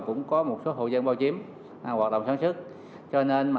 cũng có một số hộ dân bảo chiếm hoạt động sáng sức